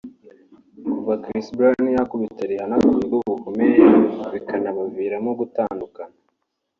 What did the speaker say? Kuva Chris Brown yakubita Rihanna ku buryo bukomeye bikanabaviramo gutandukana